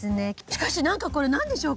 しかし何かこれ何でしょうか？